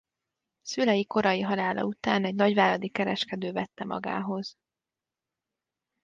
Szülei korai halála után egy nagyváradi kereskedő vette magához.